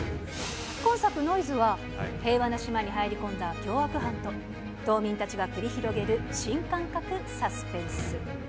今作、ノイズは、平和な島に入り込んだ凶悪犯と、島民たちが繰り広げる新感覚サスペンス。